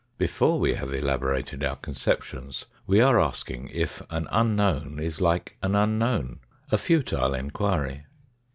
Before we have elaborated our conceptions we are asking if an unknown is like an unknown a futile inquiry.